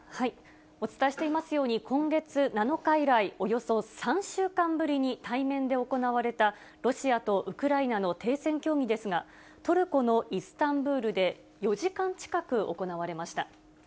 お伝えしていますように、今月７日以来、およそ３週間ぶりに対面で行われたロシアとウクライナの停戦協議ですが、トルコのイスタンブールで、４時間近く行われました。